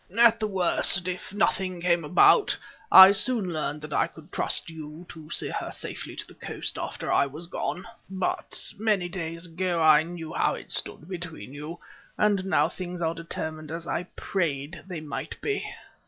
At the worst, if nothing came about, I soon learned that I could trust you to see her safely to the coast after I was gone. But many days ago I knew how it stood between you, and now things are determined as I prayed they might be.